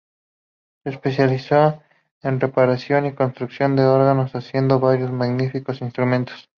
Se especializó en reparación y construcción de órganos, haciendo varios magníficos instrumentos.